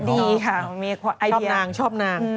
ดีค่ะมีความไอเดียชอบนางชอบนาง